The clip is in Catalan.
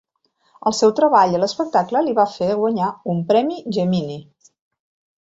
El seu treball a l'espectacle li va fer guanyar un premi Gemini.